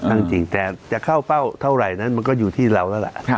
จริงแต่จะเข้าเป้าเท่าไหร่นั้นมันก็อยู่ที่เราแล้วล่ะ